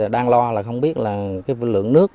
đang lo là không biết là cái lượng nước